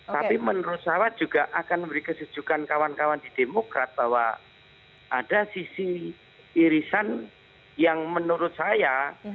tapi menurut saya juga akan memberi kesejukan kawan kawan di demokrat bahwa ada sisi irisan yang menurut saya